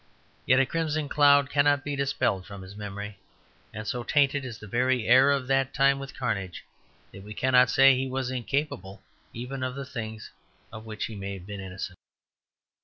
Yet a crimson cloud cannot be dispelled from his memory, and, so tainted is the very air of that time with carnage, that we cannot say he was incapable even of the things of which he may have been innocent.